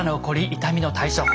痛みの対処法